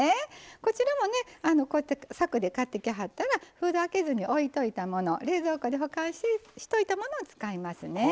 こちらもさくで買ってきはったら開けずに置いておいたもの冷蔵庫で保管しておいたものを使いますね。